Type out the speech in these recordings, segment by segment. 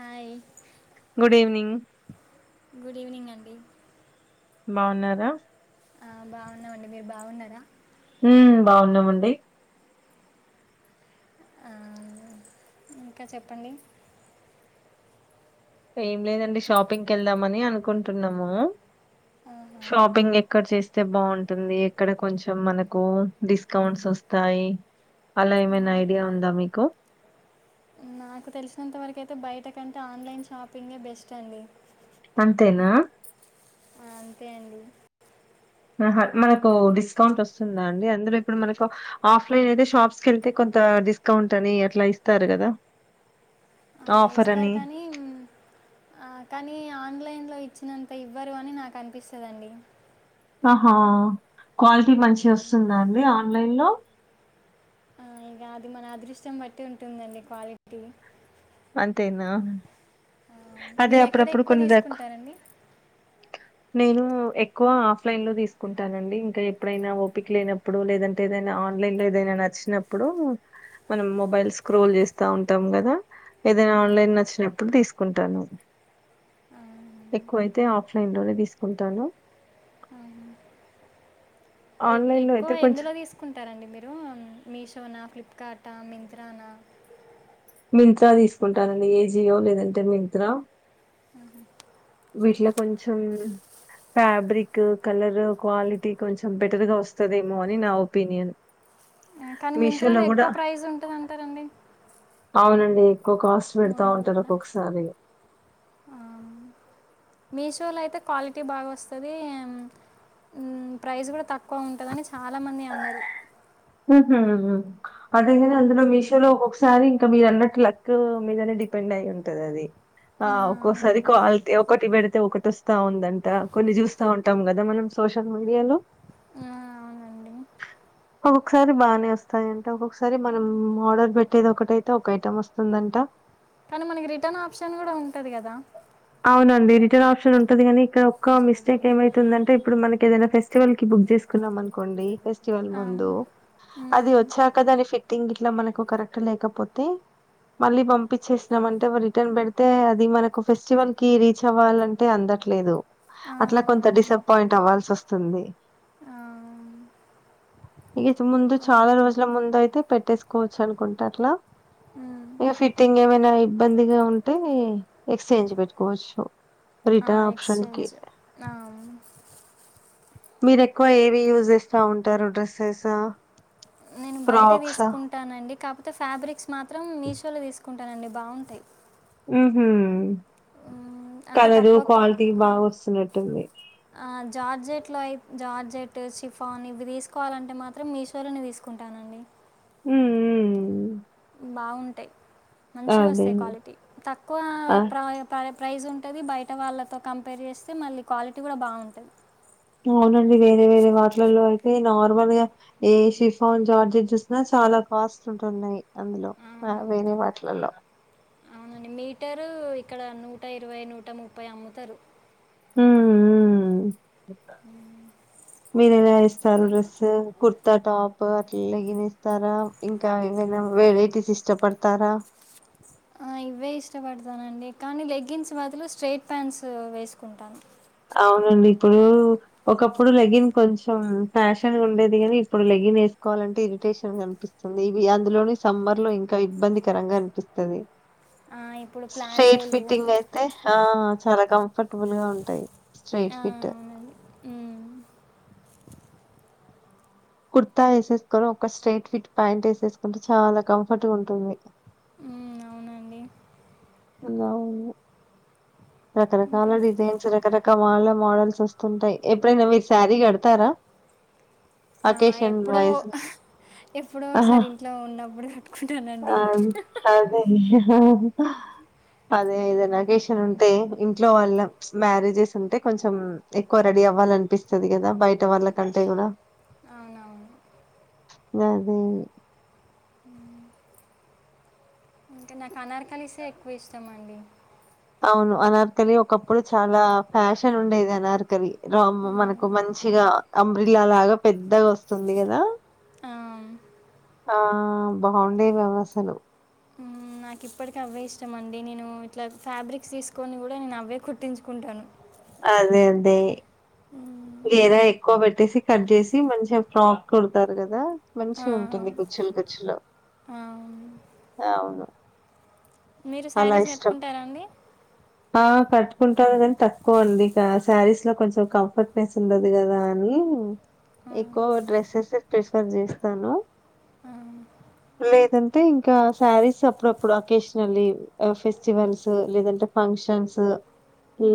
Hi good evening good evening అండి బాగున్నారా ఆ బాగున్నామండి మీరు బాగున్నారా మ్ బాగున్నామండి ఆ ఇంకా చెప్పండి ఏం లేదండి షాపింగ్కి వెళ్దామని అనుకుంటున్నాము ఆహా. షాపింగ్ ఎక్కడ చేస్తే బాగుంటుంది ఎక్కడ కొంచెం మనకు డిస్కౌంట్స్ వస్తా వస్తాయి అలా ఏమైనా ఐడియా ఉందా మీకు నాకు తెలిసినంతవరకుయితే బయటకంటే ఆన్లైన్ షాపింగే బెస్ట్ అండి అంతేనా ఆ అంతే అండి అహ మనకు డిస్కౌంట్ వస్తుందా అండి అందులో ఇప్పుడు మనకు ఆఫ్లైన్ అయితే షాప్స్కి వెళ్తే కొంచం అంత డిస్కౌంట్ అని అట్లా ఇస్తారు కదా ఆ ఆఫర్ ఇస్తారు అని కానీ, ఆ కానీ ఆన్లైన్ లో ఇచ్చినంత ఇవ్వరు అని నాకు అనిపిస్తదండి ఆహా క్వాలిటీ మంచి మ్, వస్తుందా అండి. ఆన్లైన్ లో ఆ ఇంగా అది మన అదృష్టం బట్టి ఉంటుందండి. క్వాలిటీ అంతేనా ఆమ్ అదే మీరేక్కడ అప్పుడప్పుడు ఎక్కువ కొన్ని రక్ తీసుకుంటారండి? నేను ఎక్కువ ఆఫ్లైన్ లో తీసుకుంటానండి. ఇంకా ఎప్పుడైనా ఓపిక్ లేనప్పుడు, లేదంటే ఏదైనా ఆన్లైన్ లో ఏదైనా నచ్చినప్పుడు, మనం మొబైల్ స్క్రోల్ చేస్తా ఉంటాం కదా. ఏదైనా ఆ, ఆన్లైన్ నచ్చినప్పుడు తీసుకుంటాను. ఆ, ఎక్కువైతే ఆఫ్లైన్ లోనే తీసుకుంటాను. ఆ ఏక్ ఆన్‌లైన్‌లో ఎక్కువ అయితే కొంచెం ఎందులో తీసుకుంటారంండి? మీరు మీషో, నాఫ్ ఫ్లిప్కార్టా, మింత్రానా? మింత్రా, తీసుకుంటానండి. ఏ. జి. యో లేదంటే మింత్రా. ఆహ వీట్లో కొంచం ఫ్యాబ్రిక్, కలర్, క్వాలిటీ కొంచెం బెటర్ గా వస్తదేమో అని. నా ఒపీనియన్ కానీ మీషోలో మింత్రాలో గూడా ఎక్కువ ప్రైస్ ఉంటదాంటారండి? అవునండి కొక్కస్ట్ పెడతా ఉంటారు పెట్టిన ఒక్కొక్ సారి. షోలా అయితే క్వాలిటీ బాగా వస్తది. ఆమ్ ఉమ్ ప్రైస్ కూడా తక్కువ ఉంటుందని, చాలా మంది అన్నారు. అదే గద ఉమ్, అందులో మీషోలో ఒకొక్క స్ సారి ఇంకా మీరు అన్నట్టు లక్ మీదనే డిపెండ్ అయి ఉంటది అది. ఆ ఒక్కోసారి క్వాలిటీ, ఒక్కటి బేడ్ తే ఒకటోస్తా ఉందంట. కొన్ని చూస్తా ఉంటాం కదా, మనం సోషల్ మీడియాలో. ఆ అవునండి ఒక్కొక్కసారి బాగానే వస్తాయంట. ఒక్కొక్కసారి మనం ఆర్డర్ పెట్టేది ఒకటైతే, ఒక ఐటెం వస్తుందంట. కానీ మనకి రిటర్న్ ఆప్షన్ గూడా, ఉంటది కదా. అవునండి రిటర్న్ ఆప్షన్ ఉంటది కాని. ఇక్కడ ఒకక్క మిస్టేక్ ఏమైతుందాంటే, ఇప్డు మనకేదైనా ఫెస్టివల్ కి బుక్ చేస్ కునమన్కోండి. ఫెస్టివల్ కి ఆ, ముందు అది ఉమ్, వచ్చాక దాని ఫిట్టింగ్ కి ట్లా మనకు కరెక్ట్ లేకపోతే. మళ్ళీ పంపించేసినాం అంటే, ల్ రిటర్న్ పెడితే అది మనకు ఫెస్ట్ స్టివల్ కి రీచ్ అవ్వాలంటే అందట్లేదు. ఆ, అట్లా కొంత అవునండి డిసప్పయింట్ అవ్వాల్సి వస్తుంది. ఆ, ఇగాతే, ముందు అవును చాలా రోజుల ముందు అయితే పెట్ ట్టేస్కోవాచ్చు అనుకుంట అట్లా, ఇగ ఫిట్టింగ్ ఏమైనా ఇబ్బందిగా ఉంటే ఎక్స్చేంజ్ పెట్టుకోవచ్చు. ఆ రిటర్న్ ఆప్షన్ కి ఎక్స్చేంజ్ ఆ అవును మీరు ఎక్కువ ఏవి యూజ్ చేస్తా ఉంటారు. డ్రెస్సెస? నేను బయటే తీసుకుంటానండి. కాపోతే ఫ్యాబ్రిక్స్ మాత్రం మీషోలో తీసుక్ కుంటానండి బాగుంటాయ్ మ్ హూ అంటే కలరు తక్కువ క- క్వాలిటీ బాగా వస్తున్నట్టుంది ఆ, జార్జెట్లో అయి జార్జెట్ షిఫాన్ ఇవి తీసుకోవాలంటే మాత్రం మీషోలోనే తీసుకుంటానండి హ్మ్ హ్మ్ బాగుంటాయ్ అదే మంచిగొస్తాయి క్వాలిటీ తక్కువ ఆ ప్రా ప్ర ప్రైజ్ ఉంటది బయట వాళ్ళతో కంపేర్ చేస్తే మళ్ళీ క్వాలిటీ కూడా బాగుంటది అవునండి వేరే వేరే వాటిలల్లో అదే నార్మల్ గా ఏ షిఫాన్ జార్జెట్ చూసినా చాలా కాస్ట్ ఉంటున్నాయ్ అందులో ఆ వేరే వాటిలల్లో మీటరూ ఇక్కడ నూట ఇరవై నూట ముప్పై అమ్ముతరు హ్మ్. హ్మ్. మీరెలా ఎస్తారు డ్రెసు కుర్ త్త టాప్ అట్లా లెగినెస్తారా ఇంకా ఏమైనా వెరైటీస్ ఇష్టపడతారా ఆ ఇవే ఇష్టపడతానండి కానీ లెగిన్స్ బదులు స్ట్రైట్ ప్యాంట్స్ వేసుకుంటాను అవునండి ఇప్పుడు ఒకప్పుడు లెగిన్ కొంచెం ఫ్యాషన్గ ఉండేది గాని ఇప్పుడు లెగి గిన్ వేసుకోవాలంటే ఇరిటేషన్గా అనిపిస్తుంది ఇది అందులోను‌ సమ్మర్ లో ఇంకా ఇబ్బందికరంగా అనిపిస్తది ఆ, ఇప్పుడు స్ట్రైట్ ప్లాజోలు ఫిట్టింగ్ అయితే ఆ చాలా కంఫర్టబుల్ గా ఉంటాయ్ స్ట్రైట్ ఆ, ఫిట్ అవునండి ఉమ్, కుర్తా ఎసేసుకోని ఒక స్ట్రైట్ ఫిట్ ప్యాంట్ ఎసేసుకుంటే చాలా కంఫర్ట్ గా ఉంటుంది ఉమ్ అవునండి అవును ఇంకా రకరకాల డిజైన్స్ రకరక ఇంకా వాళ్ళ మోడల్స్ వస్తుంటాయ్ ఎప్పుడైనా మీరు సారీ కడతారా ఆ, అకేషన్ ఎప్పుడో వైస్గా ఎప్పుడో ఒకసారి ఇంట్లో ఉన్నప్పుడు కట్టుకుంటానండి అది. అదే. అదే ఏదైనా అకేషన్ ఉం టే ఇంట్లో వాళ్ళ మ్యారేజెస్ ఉంటే కొంచెం ఎక్కువ రెడీ అవ్వాలనిపిస్తది కదా బయట వాళ్ళ ళ కంటే కూడా అవునవును గదే కాన్ నాక్ అనార్కలిసే ఎక్కువ ఇష్టం అండి అవును అనార్కలి ఒకప్పుడు చాలా ప్యాషన్ ఉండేది అనార్కలి రామ్ మనకు ఉమ్, మంచి చిగా అంబ్రిల్లా లాగా పెద్దగా వస్తుంది కదా ఆ ఆ బాగుండేవి అవి అసలు ఉమ్, నాకు ఇప్పటికి అవే ఇష్టం అండి నేను ఇట్లా ఫ్యాబ్రిక్స్ తీసుకొని కూడా నేను అవే కుట్టించుకుంటాను అదే అదే ఉమ్, గేర ఎక్కువ పెట్టేసి కట్ చేసి మంచిగా ఫ్రాక్ కుడతారు కదా ఆ, మంచిగా ఉంటుంది కూర్చి లు కుచ్చులు ఆ అవును మీరు అలా సారీస్ ఇష్టం. కట్టుకుంటారా అండి ఆ కట్టుకుంటాను కాని తక్కువ అండి ఇక శారీస్ లో కొంచెం కంఫర్ట్నెస్ ఉండదు కదా అని ఆ, ఎక్కువ డ్రెస్సెస్సే ప్రిఫర్ చేస్తాను ఆ, లేదంటే ఇంకా సారీస్ అప్పుడప్పుడు అకేషనల్లీ ఆ ఫెస్టివల్సు లేదంటే ఫంక్షన్సు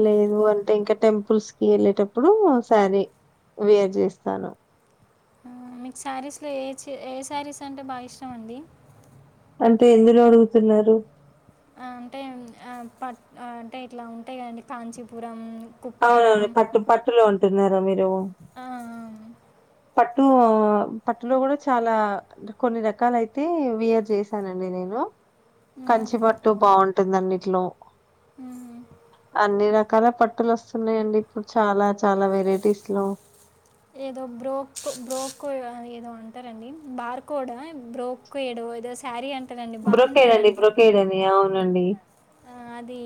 లేదు అంటే ఇంకా టెంపుల్స్ కి వెళ్ళేటప్పుడు సారీ వేర్ చేస్తాను మీకు సారీస్లో ఏ ఏ సారీస్ అంటే బాగా ఇష్టం అండి అంటే ఎందులో అడుగుతున్నారు ఆ, అంటే పట్ అంటే ఇట్లా ఉంటాయ్కాండి కాంచీపురం కుప్పాడ అవునవును పట్టు పట్టులో ఉంటున్నారా మీరు ఆ ఆ పట్టు పట్టులో కూడా చాలా కొన్ని రకాల అయితే వేర్ చేశానండి నేను కంచి పట్టు బాగుంటుందన్నిట్లో ఉమ్ అన్ని రకాల పట్టులు వస్తున్నాయిండి ఇప్పుడు చాలా చాలా వెరైటీస్ లో ఏదో బ్రోక్ బ్రోకో ఏదో అంటారంండి బార్కోడా బ్రోక్ ఏడో శారిీ అంట బ్రొకేడ్ అండి బ్రొకేడ్ అని అవునండి అది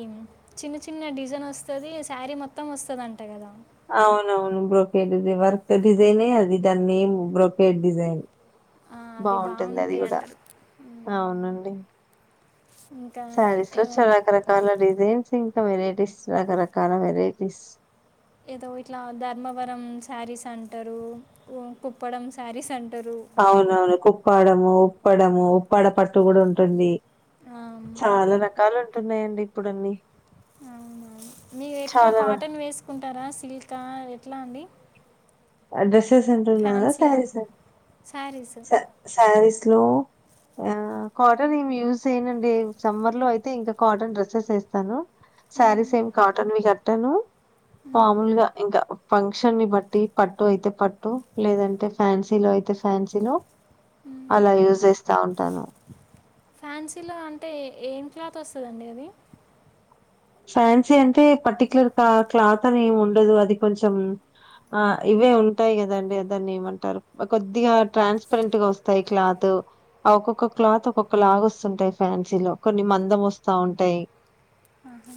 చిన్న చిన్న డిజైన్ వస్తుంది శారీ మొత్తం వస్తుంది అంట కదా అవునవును బ్రోకేడ్ది వర్క్ డిజైనే అది దాని నేమ్ బ్రోకేడ్ డిజైన్ ఆ, అది బాగుంటుంది అది బాగుంటాయి కూడా అంటారు మ్మ్. అవునండి ఇంకా శారీస్ లో ఏ- చాల రకరకాల డిజైన్స్ ఇంకా వెరైటీస్ రకరకాల వెరైటీస్ ఏదో ఇట్లా ధర్మవరం శారీస్ అంటారు పుప్పడంం శారీస్ అంట అవునవును కుప్పాడము ఉప్పడము ఉప్పాడ పట్టు కూడా ఉంటుంది ఆమ్, చాలా రకాలు ఉంటున్నాయంండి ఇప్పుడున్నీ అవునా మీరు ఎక్కువ కాటన్ వేసుకుంటారా సిల్కా ఎట్లా అండి డ్రెస్సెస్ ఉంటున్నాదా ఫ్యాన్సీయా శారీస్ శారీస్ శారీస్ లో ఆ కాటన్ ఏమి యూజ్ చేయనుండి సమ్మర్ లో అయితే ఇంకా కాటన్ డ్రెస్సెస్ వేస్తాను శారీ మ్మ్. సేమ్ కాటన్ వి కట్టను మాముూలుగా ఇంకా ఫంక్షన్ ని బట్టి పట్టు అయితే పట్టు లేదంటే ఫ్యాన్సీలో అయితే ఫ్యాన్సీలో అలా యూజ చేేస్తా ఉంటాను క్యా తొస వెలాడి అది ఫ్యాన్సీ అంటే పర్టిక్యులర్ క్లాత్ అని ఏమి ఉండదు అది కొంచెం ఆ ఇవే ఉంటాయి కదండి అదాన్ని ఏమంటారు కొద్దిగా ట్రాన్స్పరెంట్ గా వస్తాయి క్లాత్ ఆ ఒక్కొక్క క్లాత్ ఒక్కొక్క లాగ వస్తుంటాయి ఫ్యాన్సీలో కొన్ని మందం వస్తా ఉంటాయి ఆహా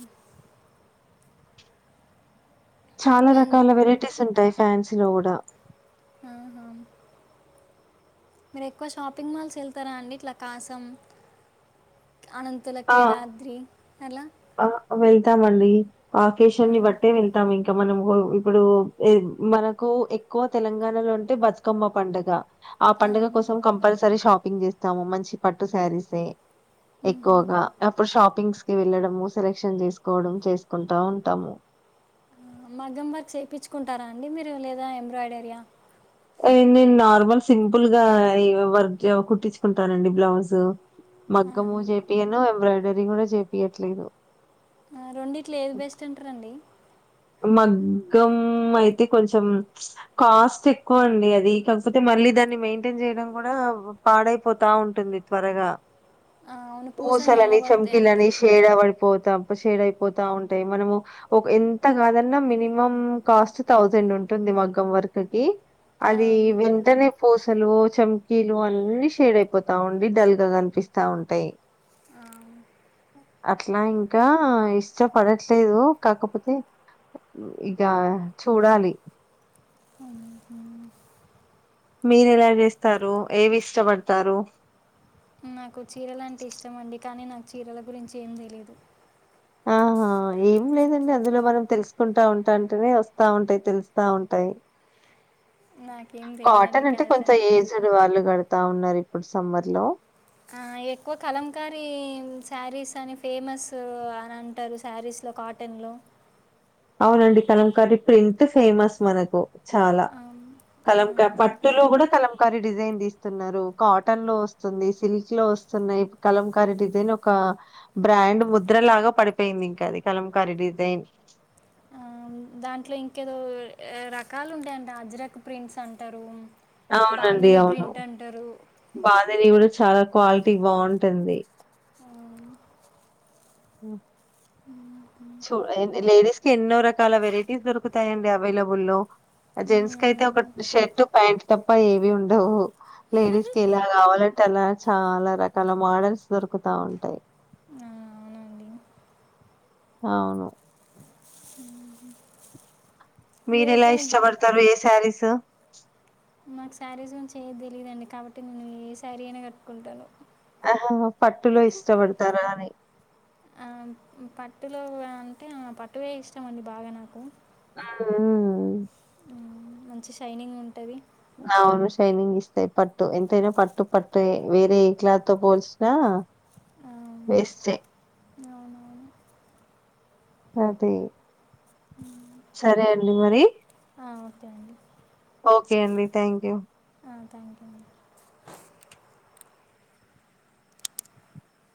చాలా రకాల వెరైటీస్ ఉంటాయి ఫ్యాన్స్ లో కూడా ఆహా. మీరు ఎక్కువ షాపింగ్ మాల్స్ వెళ్తారా అండి ఇట్లా కాసం అనంతుల ఆ కేదాద్రి అలా ఆ వెళ్తామండి ఆఫషాన్ని ఆ. బట్టే వెళ్తాం ఇంకా ఇక మనం ఇప్పుడు మనకు ఎక్కువ తెలంగాణలో అంటే బతుకమ్మ పంండగ ఆ పండుగ కోసం కంపల్సరీ షాపింగ్ చేస్తాము మంచి పట్టు శారీసే మ్మ్. ఎక్కువగా అప్పుడు షాపింగ్స్ కి వెళ్ళడం మము సెలక్షన్ చేసుకోవడం చేసుకుంటా ఉంటాము ఆ, మగ్గం వారు చేయించుకుంటారా అండి మీరు లేదా ఎంబ్రాయిడరయా నేను నార్మల్ సింపుల్ గా వ కుట్టించుకుంటానండి బ్లౌజు ఆ, మగ్గము చేపియను ఎంబ్రాయిడరీ కూడా చేపియట్లేదు రెండి ఇట్లో ఏది బెస్ట్ అంటారుండి మగ్గం అయితే కొంచెం కాస్ట్ ఎక్కువ అండి అది కాకపోతే మళ్ళీ దాన్ని మెయింటైన్ చేయడం కూడా పాడైపోతా ఉంటుంది త్వరగా ఆ, అవును పూసలు పూసలని నల్లబడతాయి చంకీలని అంటారు షేడా పడిపోతాం సేడ్ అయిపోతా ఉంటాయి మనము ఒక ఎ అంత కాదన్నా మినిమం కాస్ట్ థౌజండ్ ఉంటుంది మగ్గం వర్క్కి ఆ, అది వెంటనే పోసు అసలు చంకీలు అన్ని షేడ్ అయిపోతా ఉండి డల్ గా కనిపిస్తా ఉంటాయి ఆ అట్లా ఇంకా ఇష్టపడట్లేదు కాకపోతే ఇక చూడాలి మ్మ్. మీరు ఎలా చేస్తారు ఏవి ఇష్టపడతారు నాకు చీరలు అంటే ఇష్టం అండి కానీ నాకు చీరల గురించి ఏం తెలియదు ఆ ఏం లేదండి అందులో మనం తెలుసుకుంటా ఉంటా అంటేనే వస్తా ఉంటాయి తెలుస్తా ఉంటాయి నాకేం తెలియదండి కాటన్ అంటే కాదు కొంచెం శారీస్ ఏజ్డ్ వాళ్ళు కడతా ఉన్నారు ఇప్పుడు సమ్మర్ లో ఆ ఎక్కువ కలంకారిీ శారీస్ అని ఫేమస్ అని అంటారు శారీస్ ఇట్లో కాటెన్లో అవునండి కలంకర ప్రింట్ ఫేమస్ మనకు చాలా ఆమ్, కలంక ఆమ్, పట్టులు కూడా కలం కారి డిజైన్ తీస్తున్నారు కాటన్ లో వస్తుంది సిల్క్ లో వస్తున్నాయి కలం కారి డిజైన్ ఒక బ్రాండ్ ముద్రలాగా పడిపోయింది ఇంకా అది కలంకారీ డిజైన్ ఆ, దాంట్లో ఇంకేదో రకాలు ఉంటాయింటడి అజ్రక్ ప్రింట్స్ అంటారు అవునండి బాందిని అవును ప్రింట్ అంటారు బాధని కూడా చాలా క్వాలిటీ బాగుంటుంది ఆ, ఉమ్, చ లేడిస్ ఎన్నో రకాల వెరైటీస్ దొరుకుతాయండి అవైలబుల్లో లో జెంట్స్ క అయితే ఒక అవునండి షర్ట్ ప్యాంట్ తప్ప ఏవి ఉండవు లేడీస్ కి ఇలా కావాలంటే అలా చాలా రకాల మోడల్స్ దొరుకుతా ఉంటాయి ఆ అవునండి అవును అ మీరెలా ఇష్టపడతారు ఏ సారీసు నాకు శారీస్ కొంచియ తెలియదండి కాబట్టి నేను ఏ శారీ అయినా కట్టుకుంటాను ఆ పట్టులో ఇష్టపడతారా అని పట్టులో అంటే పట్టువే ఇష్టం అండి బాగా నాకు ఆ మంచి షైనింగ్ ఉంటుంది నావు షైనింగ్ ఇస్తాయి్ పట్టు ఎంతైనా పట్టు పట్టు వేరే ఏ క్లాత్ తో పోల్చినా వేస్ే అవునవును అదే సరే అండి మరి ఆ, ఓకే అండి ఓకే అండి థ్యాంక్ యూ థ్యాంక్ యూ అండి